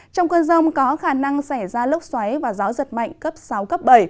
trong cơn rông có khả năng xảy ra lốc xoáy và gió giật mạnh cấp sáu cấp bảy